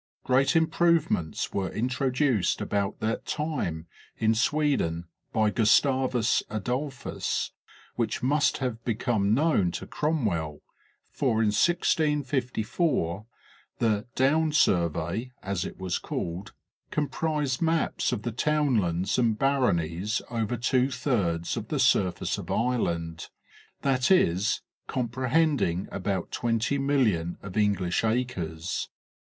Great improvements were introduced about that time in Sweden by Gustavus Adolphus, which must have become known to Cromwell, for in 1654, the " Down Survey," as it was called, comprised maps of the townlands, and baronies over two thirds of the surface of Ireland, that is, comprehending about 20,000,000 of English acres.